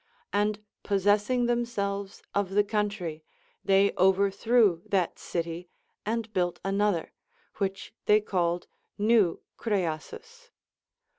And possessing themselves of the country, they overthreΛV that city, and built another, which they called New Cryassus.